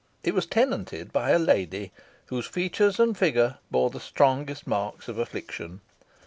It was tenanted by a lady, whose features and figure bore the strongest marks of affliction.